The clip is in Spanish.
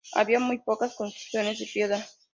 Había muy pocas construcciones de piedra.